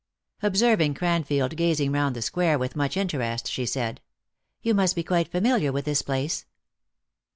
Observing Cranfield gazing round the square with much interest, she said :" You must be quite familiar with this place."